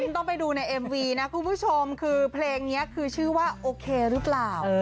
ต้องไปดูในเอ็มวีนะคุณผู้ชมคือเพลงนี้คือชื่อว่าโอเคหรือเปล่า